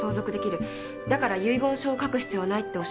だから遺言書を書く必要はない」っておっしゃいましたよね？